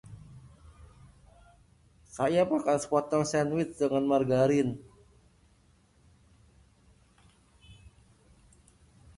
Saya makan sepotong sandwich dengan margarin.